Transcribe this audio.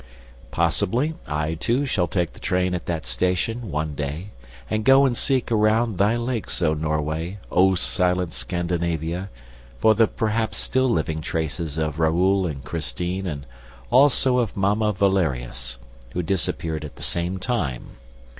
... Possibly, I too shall take the train at that station, one day, and go and seek around thy lakes, O Norway, O silent Scandinavia, for the perhaps still living traces of Raoul and Christine and also of Mamma Valerius, who disappeared at the same time!